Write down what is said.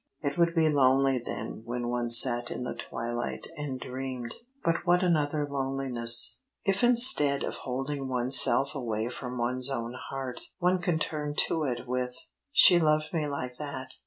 It would be lonely then when one sat in the twilight and dreamed but what another loneliness! If instead of holding one's self away from one's own heart, one could turn to it with: "She loved me like that.